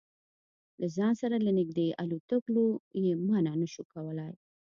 له ځان سره له نږدې الوتلو یې منع نه شو کولای.